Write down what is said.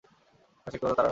আকাশে একটিমাত্র তারা নাই।